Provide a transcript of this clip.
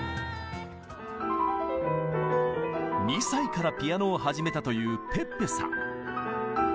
２歳からピアノを始めたというｐｅｐｐｅさん。